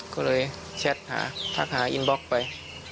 ก็เลยแชทหาทักหาอินบล็อกไป